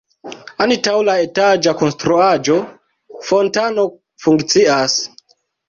Antaŭ la etaĝa konstruaĵo fontano funkcias.